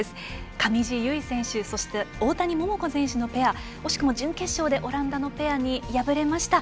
上地結衣選手そして大谷桃子選手のペア惜しくも準決勝でオランダのペアに敗れました。